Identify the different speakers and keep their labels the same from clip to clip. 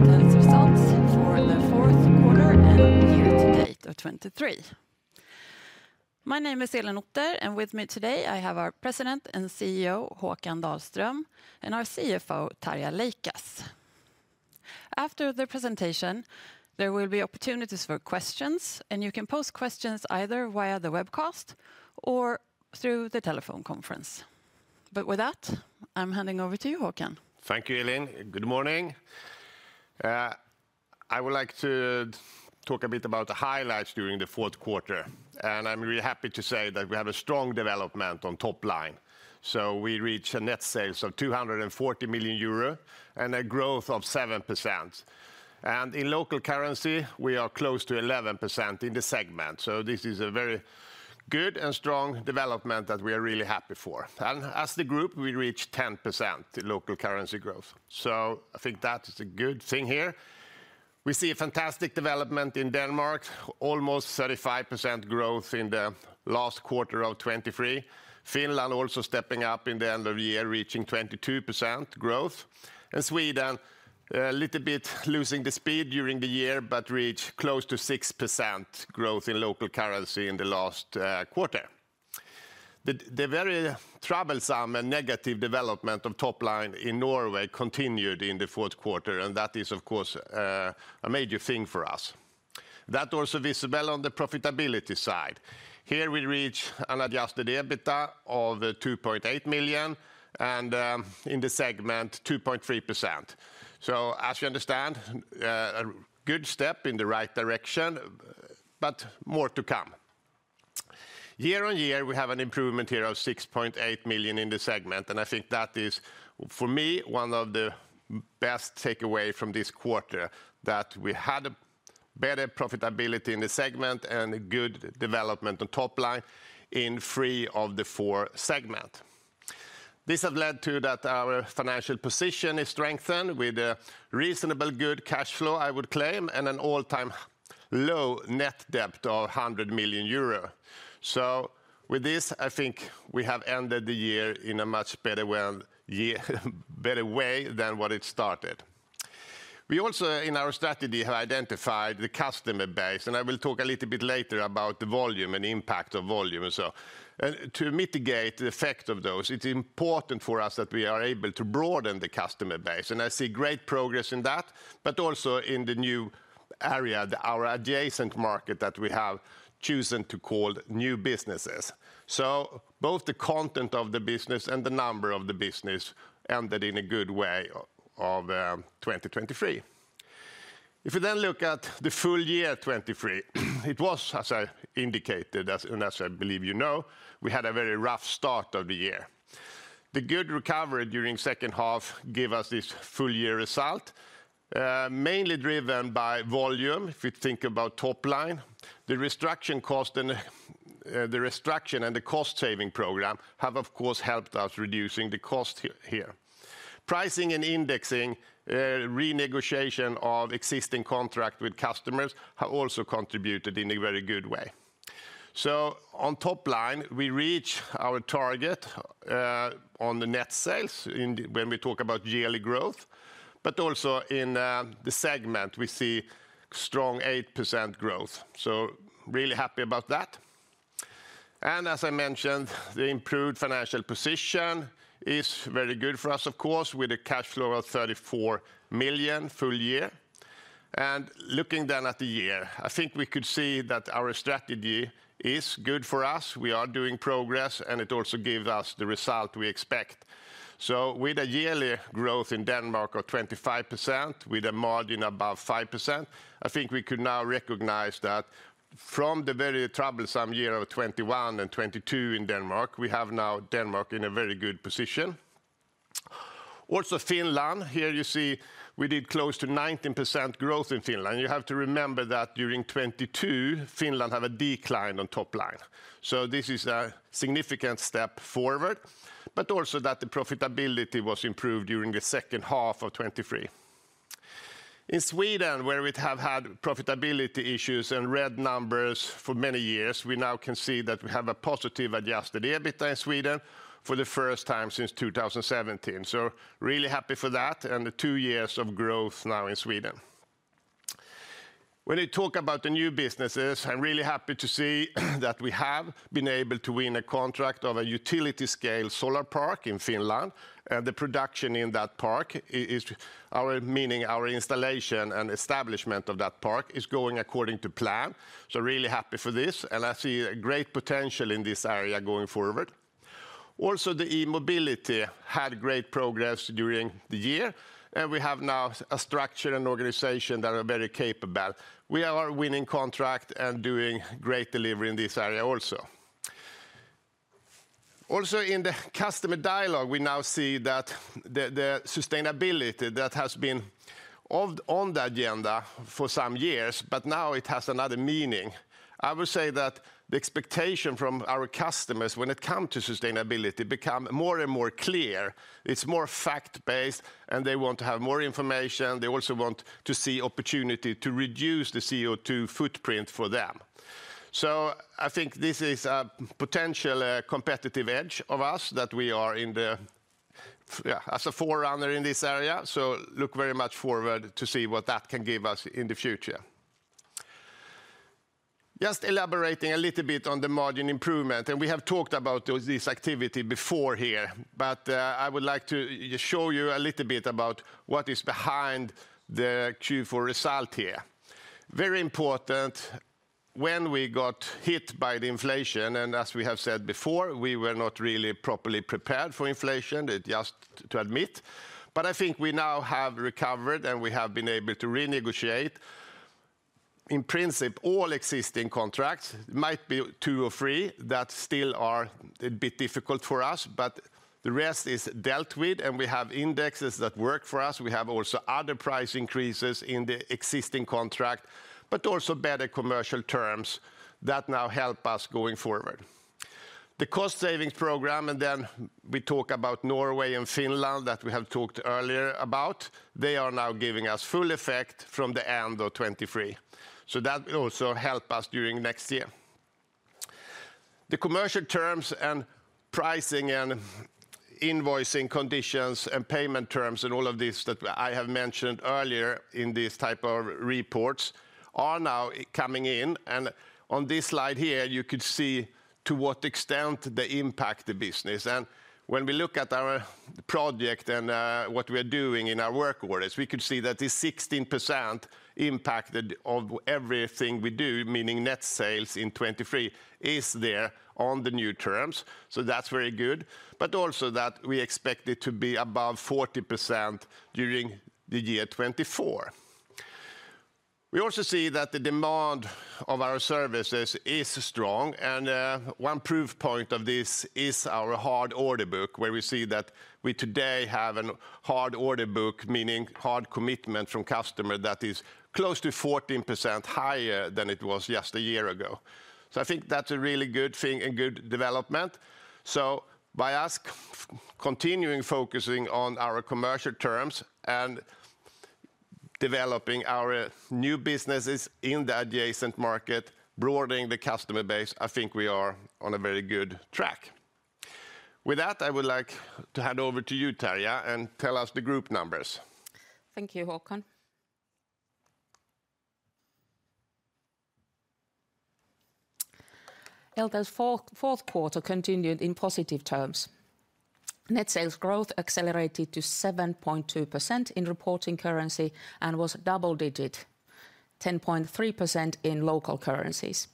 Speaker 1: Hello, everyone, and welcome to this presentation, where we'll go through Eltel's results for the fourth quarter and year to date of 2023. My name is Elin Otter, and with me today I have our President and CEO, Håkan Dahlström, and our CFO, Tarja Leikas. After the presentation, there will be opportunities for questions, and you can pose questions either via the webcast or through the telephone conference. With that, I'm handing over to you, Håkan.
Speaker 2: Thank you, Elin. Good morning. I would like to talk a bit about the highlights during the fourth quarter, and I'm really happy to say that we have a strong development on top line. So we reach a net sales of 240 million euro and a growth of 7%. And in local currency, we are close to 11% in the segment, so this is a very good and strong development that we are really happy for. And as the group, we reach 10% in local currency growth, so I think that is a good thing here. We see a fantastic development in Denmark, almost 35% growth in the last quarter of 2023. Finland also stepping up in the end of the year, reaching 22% growth. Sweden, a little bit losing the speed during the year, but reach close to 6% growth in local currency in the last quarter. The, the very troublesome and negative development of top line in Norway continued in the fourth quarter, and that is of course, a major thing for us. That also visible on the profitability side. Here we reach an Adjusted EBITA of 2.8 million and in the segment, 2.3%. So as you understand, a good step in the right direction, but more to come. Year-on-year, we have an improvement here of 6.8 million in the segment, and I think that is, for me, one of the best takeaway from this quarter, that we had a better profitability in the segment and a good development on top line in three of the four segment. This has led to that our financial position is strengthened with a reasonable good cash flow, I would claim, and an all-time low net debt of 100 million euro. So with this, I think we have ended the year in a much better well year, better way than what it started. We also, in our strategy, have identified the customer base, and I will talk a little bit later about the volume and impact of volume and so on. To mitigate the effect of those, it's important for us that we are able to broaden the customer base, and I see great progress in that, but also in the new area, our adjacent market that we have chosen to call new businesses. So both the content of the business and the number of the business ended in a good way of 2023. If you then look at the full year 2023, it was, as I indicated, as, and as I believe you know, we had a very rough start of the year. The good recovery during second half gave us this full year result, mainly driven by volume, if you think about top line. The restructuring cost and the, the restructuring and the cost-saving program have, of course, helped us reducing the cost here. Pricing and indexing, renegotiation of existing contract with customers, have also contributed in a very good way. So on top line, we reach our target, on the net sales in the—when we talk about yearly growth, but also in, the segment, we see strong 8% growth. So really happy about that. As I mentioned, the improved financial position is very good for us, of course, with a cash flow of 34 million full year. Looking then at the year, I think we could see that our strategy is good for us. We are doing progress, and it also gives us the result we expect. With a yearly growth in Denmark of 25%, with a margin above 5%, I think we could now recognize that from the very troublesome year of 2021 and 2022 in Denmark, we have now Denmark in a very good position. Also, Finland, here you see we did close to 19% growth in Finland. You have to remember that during 2022, Finland had a decline on top line. So this is a significant step forward, but also that the profitability was improved during the second half of 2023. In Sweden, where we have had profitability issues and red numbers for many years, we now can see that we have a positive Adjusted EBITA in Sweden for the first time since 2017. So really happy for that and the two years of growth now in Sweden. When I talk about the new businesses, I'm really happy to see that we have been able to win a contract of a utility-scale solar park in Finland, and the production in that park our, meaning our installation and establishment of that park, is going according to plan. So really happy for this, and I see a great potential in this area going forward. Also, the e-mobility had great progress during the year, and we have now a structure and organization that are very capable. We are winning contract and doing great delivery in this area also. Also, in the customer dialogue, we now see that the sustainability that has been on the agenda for some years, but now it has another meaning. I would say that the expectation from our customers when it come to sustainability become more and more clear. It's more fact-based, and they want to have more information. They also want to see opportunity to reduce the CO2 footprint for them. So I think this is a potential competitive edge of us, that we are Yeah, as a forerunner in this area, so look very much forward to see what that can give us in the future. Just elaborating a little bit on the margin improvement, and we have talked about this activity before here, but I would like to show you a little bit about what is behind the Q4 result here. Very important, when we got hit by the inflation, and as we have said before, we were not really properly prepared for inflation, it's just to admit. But I think we now have recovered, and we have been able to renegotiate. In principle, all existing contracts might be two or three that still are a bit difficult for us, but the rest is dealt with, and we have indexes that work for us. We have also other price increases in the existing contract, but also better commercial terms that now help us going forward. The cost savings program, and then we talk about Norway and Finland, that we have talked earlier about. They are now giving us full effect from the end of 2023, so that will also help us during next year. The commercial terms and pricing and invoicing conditions and payment terms, and all of this that I have mentioned earlier in these type of reports, are now coming in, and on this slide here, you could see to what extent they impact the business. And when we look at our project and what we are doing in our work orders, we could see that this 16% impacted of everything we do, meaning net sales in 2023, is there on the new terms. So that's very good, but also that we expect it to be above 40% during the year 2024. We also see that the demand of our services is strong, and one proof point of this is our hard order book, where we see that we today have a hard order book, meaning hard commitment from customer that is close to 14% higher than it was just a year ago. So I think that's a really good thing and good development. So by us continuing focusing on our commercial terms and developing our new businesses in the adjacent market, broadening the customer base, I think we are on a very good track. With that, I would like to hand over to you, Tarja, and tell us the group numbers.
Speaker 3: Thank you, Håkan. Eltel's fourth quarter continued in positive terms. Net sales growth accelerated to 7.2% in reporting currency and was double digit, 10.3% in local currencies.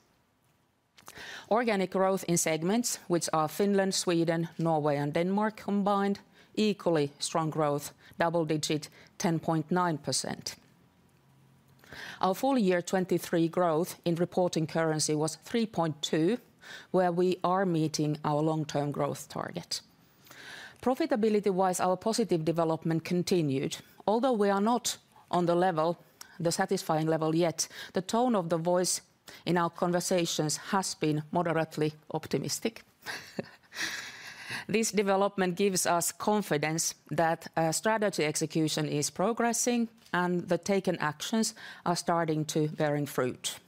Speaker 3: Organic growth in segments, which are Finland, Sweden, Norway, and Denmark combined, equally strong growth, double digit, 10.9%. Our full year 2023 growth in reporting currency was 3.2%, where we are meeting our long-term growth target. Profitability-wise, our positive development continued. Although we are not on the level, the satisfying level yet, the tone of the voice in our conversations has been moderately optimistic. This development gives us confidence that strategy execution is progressing and the taken actions are starting to bearing fruit.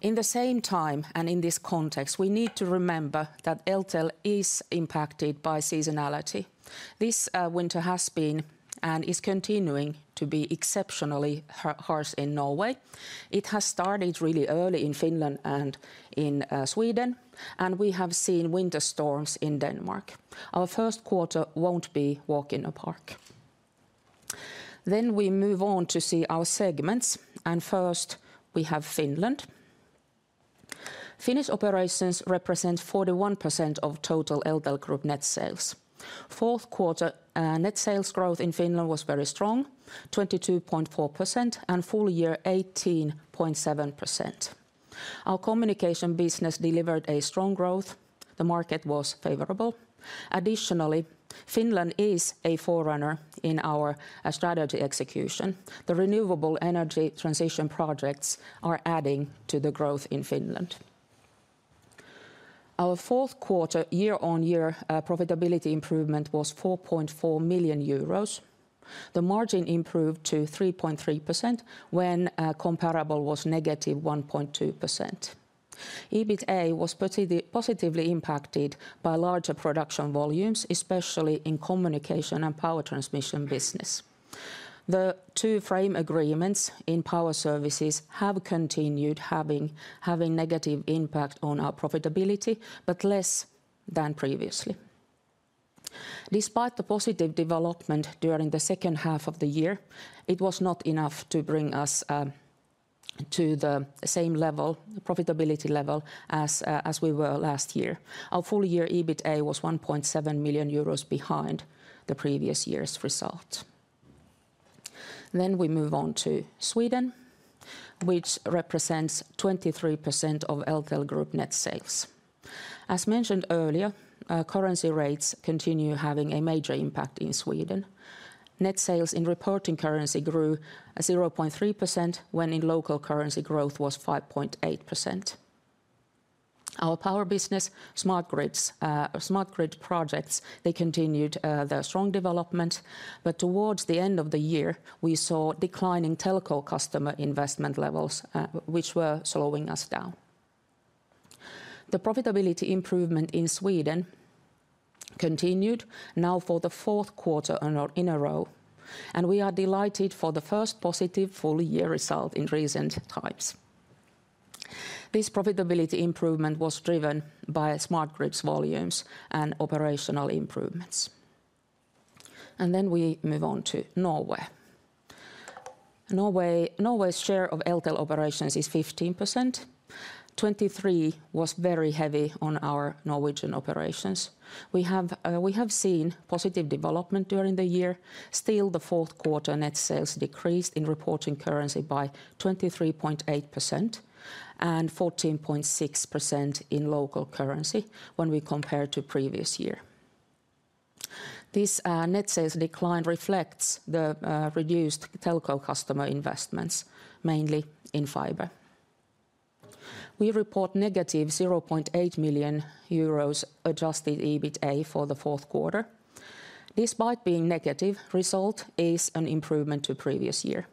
Speaker 3: In the same time, and in this context, we need to remember that Eltel is impacted by seasonality. This winter has been, and is continuing to be, exceptionally harsh in Norway. It has started really early in Finland and in Sweden, and we have seen winter storms in Denmark. Our first quarter won't be walk in the park. Then we move on to see our segments, and first, we have Finland. Finnish operations represent 41% of total Eltel Group net sales. Fourth quarter net sales growth in Finland was very strong, 22.4%, and full year, 18.7%. Our communication business delivered a strong growth. The market was favorable. Additionally, Finland is a forerunner in our strategy execution. The renewable energy transition projects are adding to the growth in Finland. Our fourth quarter year-on-year profitability improvement was 4.4 million euros. The margin improved to 3.3%, when comparable was -1.2%. EBITA was positively impacted by larger production volumes, especially in communication and power transmission business. The two frame agreements in power services have continued having negative impact on our profitability, but less than previously. Despite the positive development during the second half of the year, it was not enough to bring us to the same level, profitability level, as we were last year. Our full year EBITA was 1.7 million euros behind the previous year's result. Then we move on to Sweden, which represents 23% of Eltel Group net sales. As mentioned earlier, currency rates continue having a major impact in Sweden. Net sales in reporting currency grew 0.3%, when in local currency, growth was 5.8%. Our power business, Smart Grids, smart grid projects, they continued their strong development, but towards the end of the year, we saw declining telco customer investment levels, which were slowing us down. The profitability improvement in Sweden continued now for the fourth quarter in a row, and we are delighted for the first positive full-year result in recent times. This profitability improvement was driven by Smart Grids volumes and operational improvements. And then we move on to Norway. Norway's share of Eltel operations is 15%. 2023 was very heavy on our Norwegian operations. We have seen positive development during the year. Still, the fourth quarter net sales decreased in reporting currency by 23.8% and 14.6% in local currency when we compare to previous year. This net sales decline reflects the reduced telco customer investments, mainly in fiber. We report negative 0.8 million euros Adjusted EBITA for the fourth quarter. Despite being negative, result is an improvement to previous year.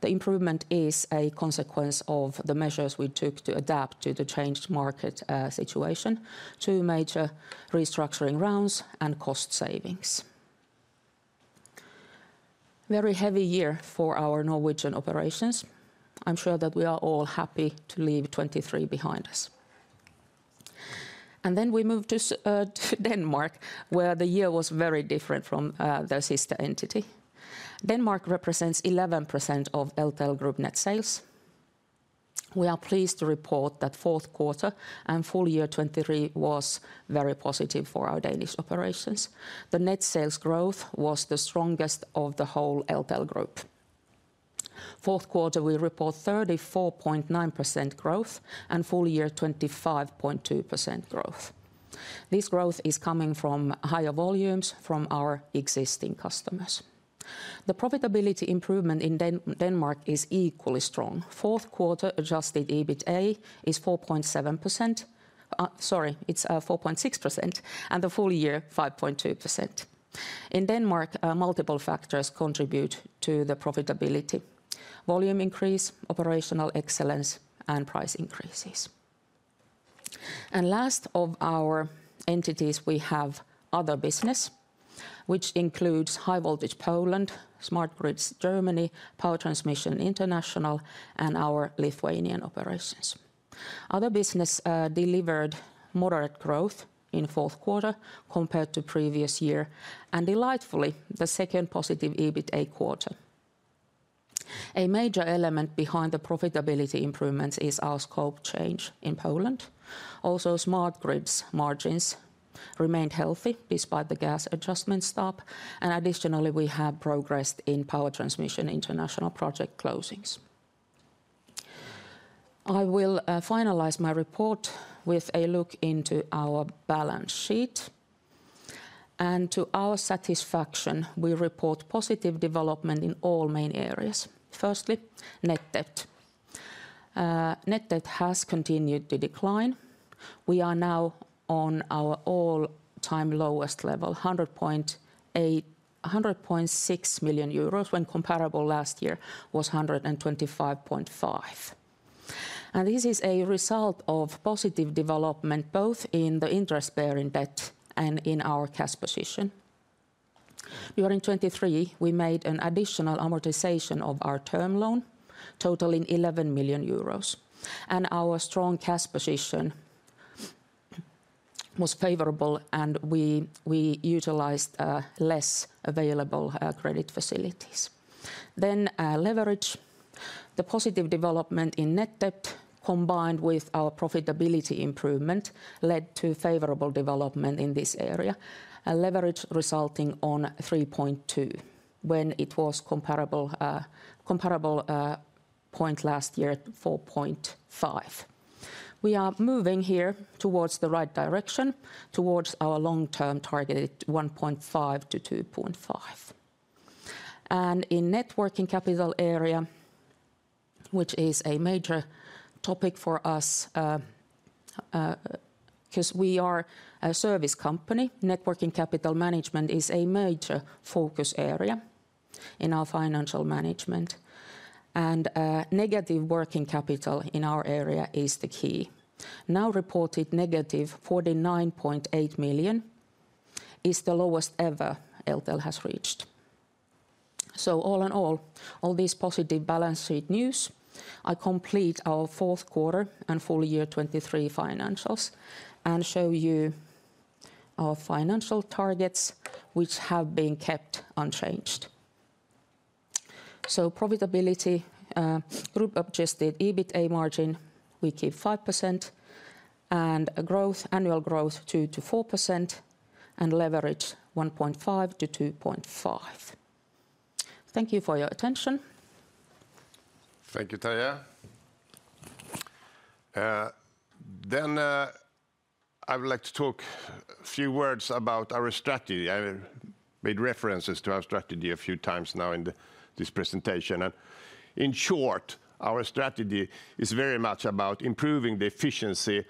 Speaker 3: The improvement is a consequence of the measures we took to adapt to the changed market situation, two major restructuring rounds, and cost savings. Very heavy year for our Norwegian operations. I'm sure that we are all happy to leave 2023 behind us. Then we move to Denmark, where the year was very different from their sister entity. Denmark represents 11% of Eltel Group net sales. We are pleased to report that fourth quarter and full year 2023 was very positive for our Danish operations. The net sales growth was the strongest of the whole Eltel Group. Fourth quarter, we report 34.9% growth and full year, 25.2% growth. This growth is coming from higher volumes from our existing customers. The profitability improvement in Denmark is equally strong. Fourth quarter Adjusted EBITA is 4.7%. Sorry, it's 4.6%, and the full year, 5.2%. In Denmark, multiple factors contribute to the profitability: volume increase, operational excellence, and price increases. Last of our entities, we have other business, which includes High Voltage Poland, Smart Grids Germany, Power Transmission International, and our Lithuanian operations. Other business delivered moderate growth in fourth quarter compared to previous year, and delightfully, the second positive EBITA quarter. A major element behind the profitability improvements is our scope change in Poland. Also, Smart Grids margins remained healthy despite the gas adjustment stop, and additionally, we have progressed in Power Transmission International project closings. I will finalize my report with a look into our balance sheet, and to our satisfaction, we report positive development in all main areas. Firstly, net debt. Net debt has continued to decline. We are now on our all-time lowest level, 108.6 million euros, when comparable last year was 125.5 million. And this is a result of positive development, both in the interest-bearing debt and in our cash position. During 2023, we made an additional amortization of our term loan, totaling 11 million euros, and our strong cash position was favorable, and we utilized less available credit facilities. Then, leverage. The positive development in net debt, combined with our profitability improvement, led to favorable development in this area, a leverage resulting in 3.2%, when it was comparable period last year, 4.5%. We are moving here towards the right direction, towards our long-term targeted 1.5%-2.5%. In net working capital area, which is a major topic for us, 'cause we are a service company, net working capital management is a major focus area in our financial management, and negative working capital in our area is the key. Now reported negative 49.8 million is the lowest ever Eltel has reached. So all in all, all this positive balance sheet news, that completes our fourth quarter and full year 2023 financials and show you our financial targets, which have been kept unchanged. So profitability, group-adjusted EBITA margin, we keep 5%, and a growth, annual growth, 2%-4%, and leverage, 1.5%-2.5%. Thank you for your attention.
Speaker 2: Thank you, Tarja. Then I would like to talk a few words about our strategy. I made references to our strategy a few times now in the this presentation, and in short, our strategy is very much about improving the efficiency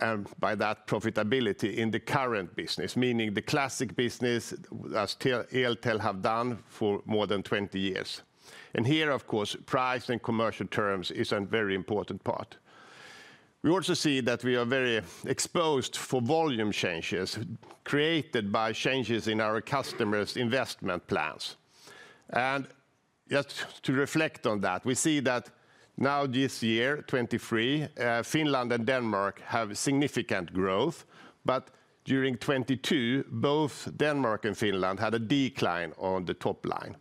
Speaker 2: and by that, profitability in the current business, meaning the classic business as Eltel have done for more than 20 years. And here, of course, price and commercial terms is a very important part. We also see that we are very exposed for volume changes created by changes in our customers' investment plans. And just to reflect on that, we see that now this year, 2023, Finland and Denmark have significant growth, but during 2022, both Denmark and Finland had a decline on the top line.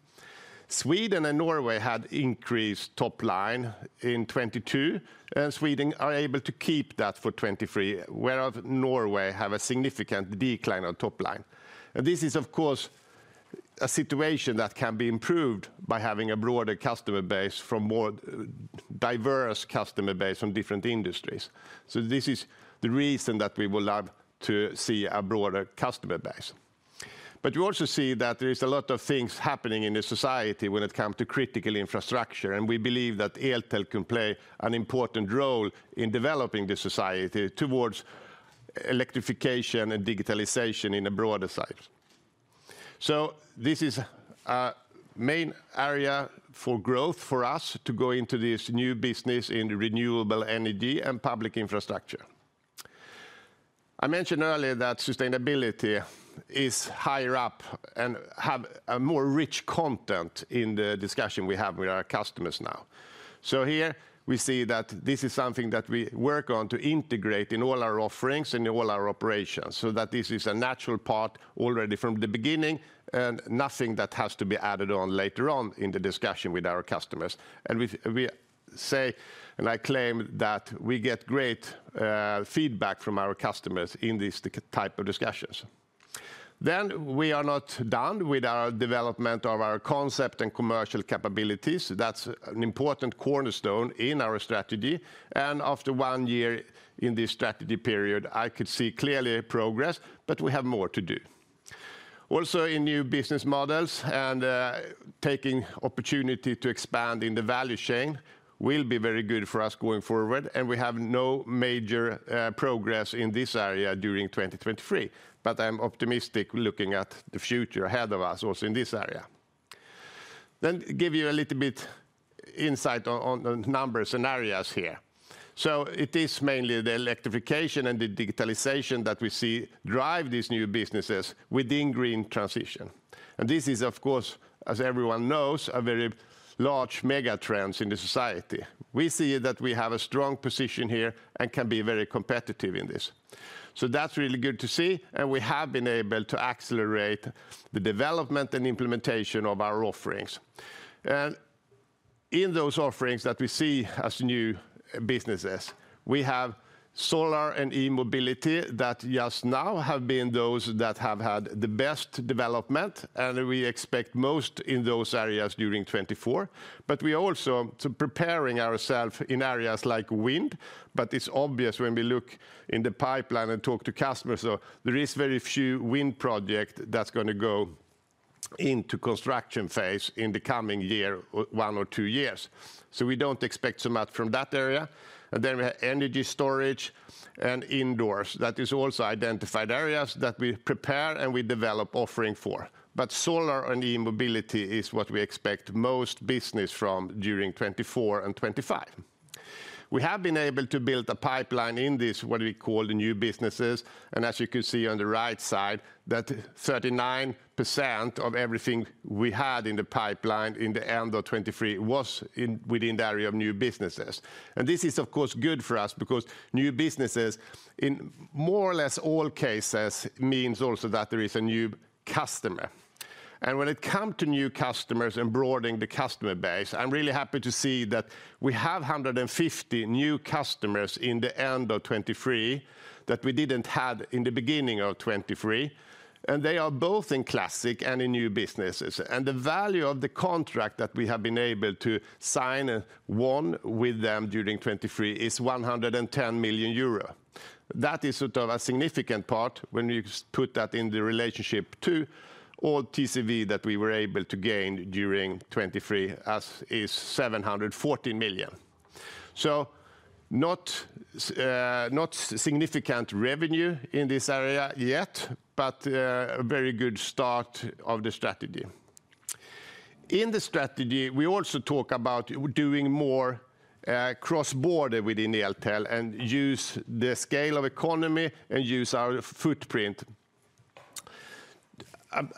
Speaker 2: Sweden and Norway had increased top line in 2022, and Sweden are able to keep that for 2023, whereas Norway have a significant decline on top line. This is, of course, a situation that can be improved by having a broader customer base from more, diverse customer base from different industries. This is the reason that we would love to see a broader customer base. But you also see that there is a lot of things happening in the society when it come to critical infrastructure, and we believe that Eltel can play an important role in developing the society towards electrification and digitalization in a broader sense. This is a main area for growth for us to go into this new business in renewable energy and public infrastructure. I mentioned earlier that sustainability is higher up and have a more rich content in the discussion we have with our customers now. So here, we see that this is something that we work on to integrate in all our offerings, in all our operations, so that this is a natural part already from the beginning and nothing that has to be added on later on in the discussion with our customers. We, we say, and I claim, that we get great feedback from our customers in these type of discussions. We are not done with our development of our concept and commercial capabilities. That's an important cornerstone in our strategy, and after one year in this strategy period, I could see clearly progress, but we have more to do. Also, in new business models and, taking opportunity to expand in the value chain will be very good for us going forward, and we have no major progress in this area during 2023. But I'm optimistic looking at the future ahead of us also in this area. Then give you a little bit insight on, on the numbers and areas here. So it is mainly the electrification and the digitalization that we see drive these new businesses within green transition. And this is, of course, as everyone knows, a very large megatrends in the society. We see that we have a strong position here and can be very competitive in this. So that's really good to see, and we have been able to accelerate the development and implementation of our offerings. In those offerings that we see as new businesses, we have solar and e-Mobility that just now have been those that have had the best development, and we expect most in those areas during 2024. But we also preparing ourself in areas like wind, but it's obvious when we look in the pipeline and talk to customers, so there is very few wind project that's gonna go into construction phase in the coming year, or one or two years. So we don't expect so much from that area. And then we have energy storage and indoors. That is also identified areas that we prepare and we develop offering for. But solar and e-Mobility is what we expect most business from during 2024 and 2025. We have been able to build a pipeline in this, what we call the new businesses, and as you can see on the right side, that 39% of everything we had in the pipeline in the end of 2023 was in, within the area of new businesses. This is, of course, good for us because new businesses, in more or less all cases, means also that there is a new customer. When it come to new customers and broadening the customer base, I'm really happy to see that we have 150 new customers in the end of 2023, that we didn't have in the beginning of 2023, and they are both in classic and in new businesses. The value of the contract that we have been able to sign and won with them during 2023 is 110 million euro. That is sort of a significant part when you put that in the relationship to all TCV that we were able to gain during 2023, as is 740 million. So not significant revenue in this area yet, but a very good start of the strategy. In the strategy, we also talk about doing more cross-border within Eltel and use the scale of economy and use our footprint.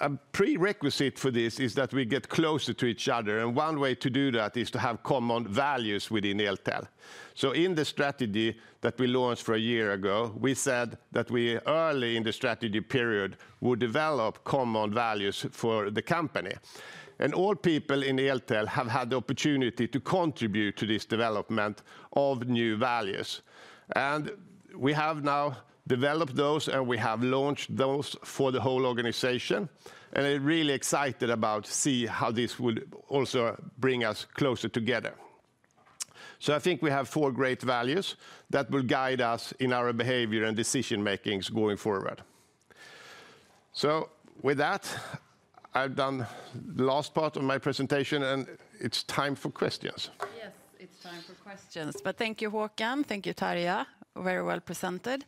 Speaker 2: A prerequisite for this is that we get closer to each other, and one way to do that is to have common values within Eltel. So in the strategy that we launched a year ago, we said that we, early in the strategy period, would develop common values for the company. And all people in Eltel have had the opportunity to contribute to this development of new values. We have now developed those, and we have launched those for the whole organization, and I'm really excited to see how this would also bring us closer together. So I think we have four great values that will guide us in our behavior and decision-making going forward. So with that, I've done the last part of my presentation, and it's time for questions.
Speaker 1: Yes, it's time for questions. But thank you, Håkan. Thank you, Tarja. Very well presented...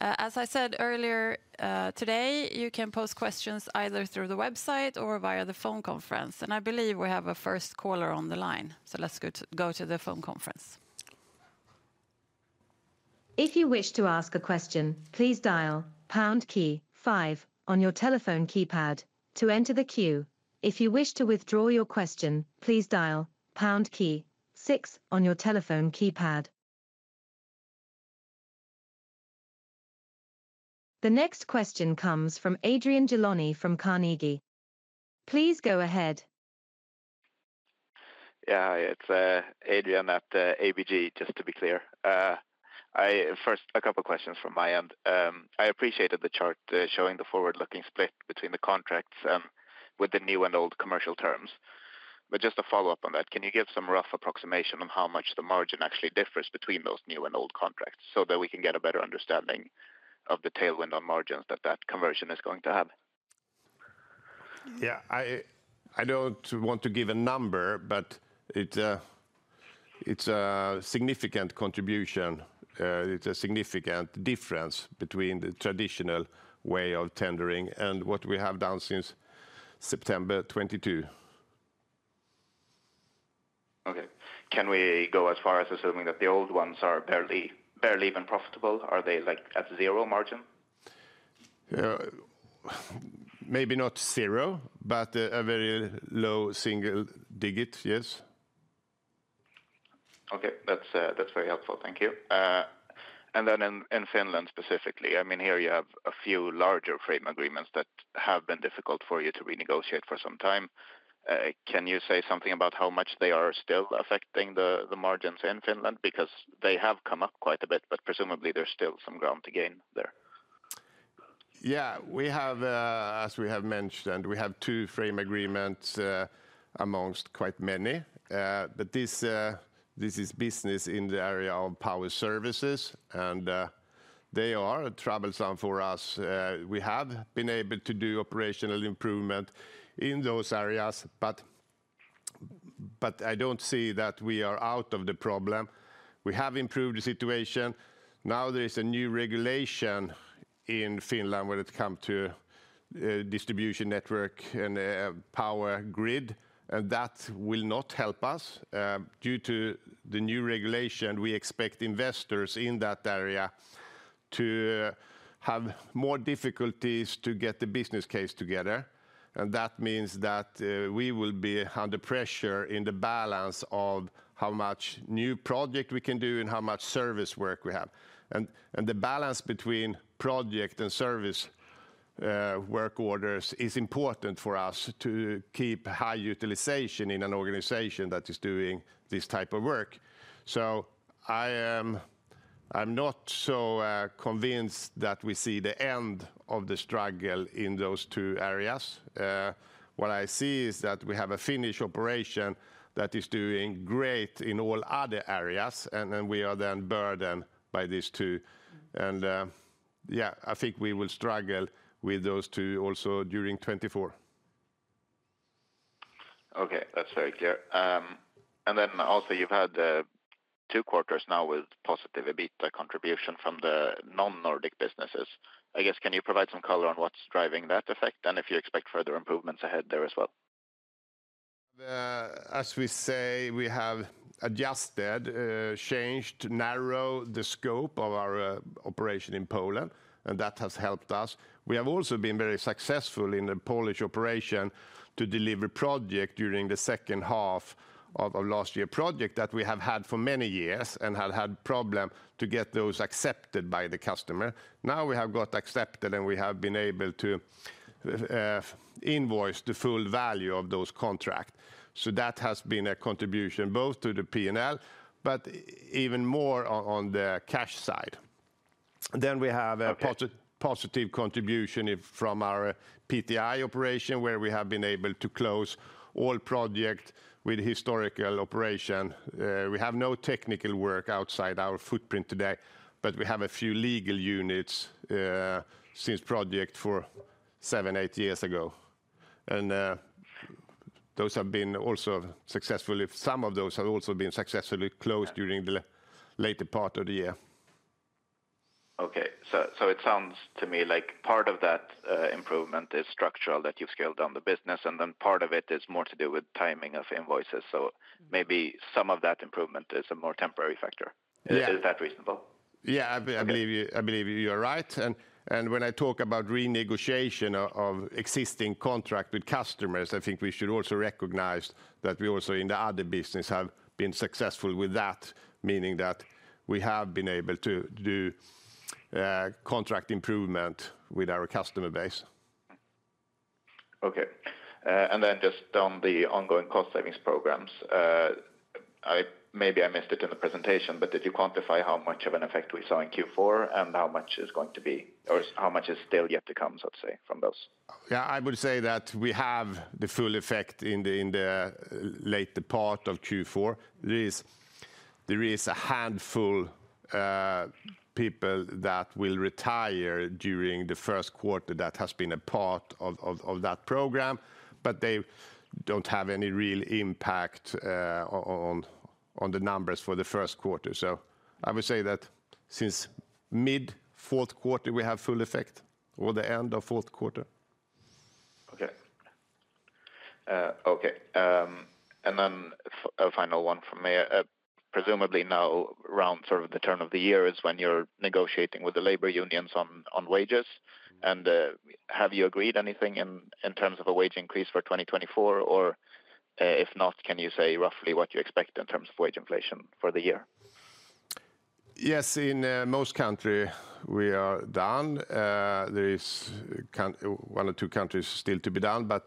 Speaker 1: As I said earlier, today, you can pose questions either through the website or via the phone conference, and I believe we have a first caller on the line. So let's go to the phone conference.
Speaker 4: If you wish to ask a question, please dial pound key five on your telephone keypad to enter the queue. If you wish to withdraw your question, please dial pound key six on your telephone keypad. The next question comes from Adrian Gilani from Carnegie. Please go ahead.
Speaker 5: Yeah, it's Adrian at ABG, just to be clear. First, a couple of questions from my end. I appreciated the chart showing the forward-looking split between the contracts with the new and old commercial terms. But just to follow up on that, can you give some rough approximation on how much the margin actually differs between those new and old contracts so that we can get a better understanding of the tailwind on margins that that conversion is going to have?
Speaker 2: Yeah, I don't want to give a number, but it's a significant contribution. It's a significant difference between the traditional way of tendering and what we have done since September 2022.
Speaker 5: Okay. Can we go as far as assuming that the old ones are barely, barely even profitable? Are they, like, at zero margin?
Speaker 2: Yeah, maybe not zero, but a very low single digit. Yes.
Speaker 5: Okay. That's, that's very helpful. Thank you. And then in Finland, specifically, I mean, here you have a few larger frame agreements that have been difficult for you to renegotiate for some time. Can you say something about how much they are still affecting the margins in Finland? Because they have come up quite a bit, but presumably, there's still some ground to gain there.
Speaker 2: Yeah, we have, as we have mentioned, we have two frame agreements, amongst quite many. But this, this is business in the area of power services, and, they are troublesome for us. We have been able to do operational improvement in those areas, but, but I don't see that we are out of the problem. We have improved the situation. Now there is a new regulation in Finland when it come to, distribution network and, power grid, and that will not help us. Due to the new regulation, we expect investors in that area to have more difficulties to get the business case together, and that means that, we will be under pressure in the balance of how much new project we can do and how much service work we have. And the balance between project and service work orders is important for us to keep high utilization in an organization that is doing this type of work. So I'm not so convinced that we see the end of the struggle in those two areas. What I see is that we have a Finnish operation that is doing great in all other areas, and then we are burdened by these two. And yeah, I think we will struggle with those two also during 2024.
Speaker 5: Okay, that's very clear. And then also you've had two quarters now with positive, a bit, contribution from the non-Nordic businesses. I guess, can you provide some color on what's driving that effect, and if you expect further improvements ahead there as well?
Speaker 2: As we say, we have adjusted, changed, narrowed the scope of our operation in Poland, and that has helped us. We have also been very successful in the Polish operation to deliver projects during the second half of last year. Projects that we have had for many years and have had problems to get those accepted by the customer. Now, we have got accepted, and we have been able to invoice the full value of those contracts. So that has been a contribution both to the P&L, but even more on the cash side. Then we have- Okay... a positive contribution is from our PTI operation, where we have been able to close all project with historical operation. We have no technical work outside our footprint today, but we have a few legal units since project for seven, eight years ago. And those have been also successful. If some of those have also been successfully closed during the later part of the year.
Speaker 5: Okay. So it sounds to me like part of that improvement is structural, that you've scaled down the business, and then part of it is more to do with timing of invoices. So maybe some of that improvement is a more temporary factor.
Speaker 2: Yeah.
Speaker 5: Is that reasonable?
Speaker 2: Yeah, I believe you- Okay. I believe you are right. When I talk about renegotiation of existing contract with customers, I think we should also recognize that we also, in the other business, have been successful with that, meaning that we have been able to do contract improvement with our customer base.
Speaker 5: Okay, and then just on the ongoing cost savings programs, maybe I missed it in the presentation, but did you quantify how much of an effect we saw in Q4, and how much is going to be—or how much is still yet to come, let's say, from those?
Speaker 2: Yeah, I would say that we have the full effect in the later part of Q4. There is a handful of people that will retire during the first quarter that has been a part of that program, but they don't have any real impact on the numbers for the first quarter. So I would say that since mid-fourth quarter, we have full effect or the end of fourth quarter.
Speaker 5: Okay. Okay, and then a final one from me. Presumably now, around sort of the turn of the year is when you're negotiating with the labor unions on wages, and have you agreed anything in terms of a wage increase for 2024? Or, if not, can you say roughly what you expect in terms of wage inflation for the year?
Speaker 2: Yes, in most country, we are done. There is one or two countries still to be done, but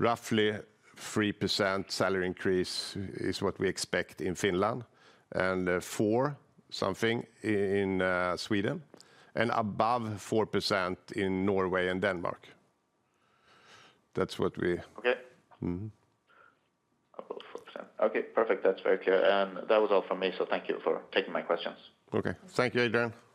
Speaker 2: roughly 3% salary increase is what we expect in Finland, and 4%, something in Sweden, and above 4% in Norway and Denmark. That's what we-
Speaker 5: Okay. Above 4%. Okay, perfect. That's very clear. And that was all from me, so thank you for taking my questions.
Speaker 2: Okay. Thank you, Adrian.
Speaker 1: Thanks, Adrian.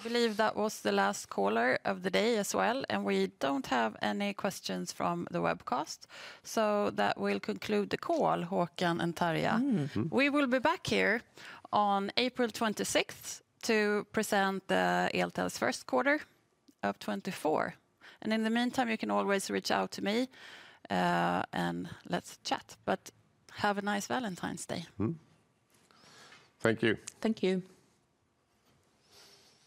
Speaker 1: I believe that was the last caller of the day as well, and we don't have any questions from the webcast, so that will conclude the call, Håkan and Tarja. We will be back here on April 26th to present Eltel's first quarter of 2024. In the meantime, you can always reach out to me, and let's chat, but have a nice Valentine's Day.
Speaker 2: Thank you.
Speaker 1: Thank you.